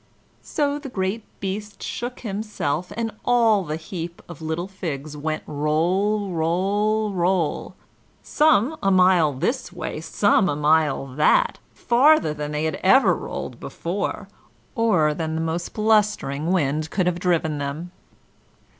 So the great beast shook himself, and all the heap of little figs went roll, roll, roll some a mile this way, some a mile that, farther than they had ever rolled before or than the most blustering wind could have driven them.